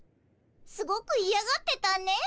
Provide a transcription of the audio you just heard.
すごくいやがってたねぇ。